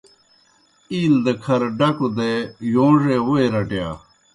اِیل دہ کھر ڈکوْ دے یوݩڙے ووئی رٹِیا۔